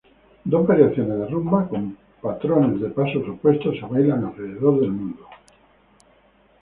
Dos variaciones de rumba con patrones de pasos opuestos se bailan alrededor del mundo.